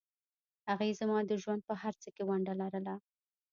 هغې زما د ژوند په هرڅه کې ونډه لرله